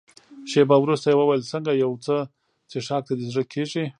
شېبه وروسته يې وویل: څنګه یو څه څیښاک ته دې زړه کېږي؟